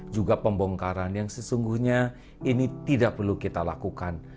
juga pembongkaran yang sesungguhnya ini tidak perlu kita lakukan